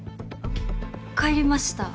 帰りました。